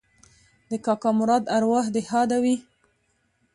د کاکا مراد اوراح دې ښاده وي